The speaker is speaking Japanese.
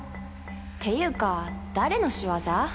っていうか誰の仕業？」